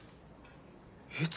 いつ？